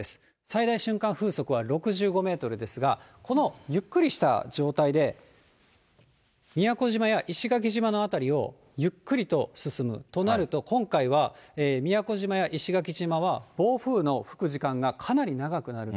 最大瞬間風速は６５メートルですが、このゆっくりした状態で、宮古島や石垣島の辺りをゆっくりと進むとなると、今回は宮古島や石垣島は暴風の吹く時間がかなり長くなる。